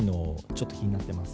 ちょっと気になってます。